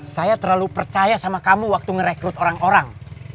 saya terlalu percaya sama kamu waktu ngerekrut orang orang